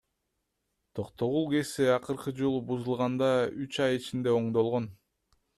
Токтогул ГЭСи акыркы жолу бузулганда үч ай ичинде оңдолгон.